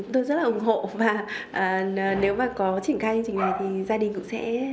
tôi rất là ủng hộ và nếu mà có chỉnh khai như trình này thì gia đình cũng sẽ